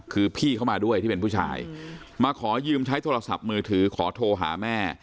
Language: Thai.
คือพี่เขามาด้วยที่เป็นผู้ชายมาขอยืมใช้โทรศัพท์มือถือขอโทรหาแม่